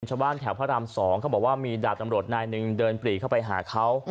ชาวบ้านแถวพระราม๒เขาบอกว่ามีดาบตำรวจนายหนึ่งเดินปรีเข้าไปหาเขา